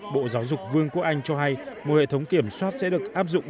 bộ giáo dục vương quốc anh cho hay một hệ thống kiểm soát sẽ được áp dụng